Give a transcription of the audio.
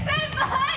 はい。